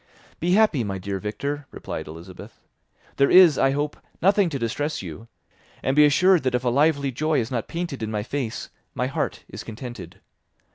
"Be happy, my dear Victor," replied Elizabeth; "there is, I hope, nothing to distress you; and be assured that if a lively joy is not painted in my face, my heart is contented.